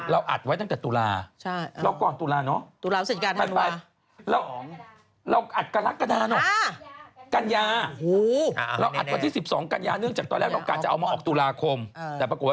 เราอัดไว้ตั้งแต่ตุลาเราอัดตุลาเนาะ